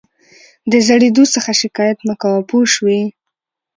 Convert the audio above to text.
د زړېدو څخه شکایت مه کوه پوه شوې!.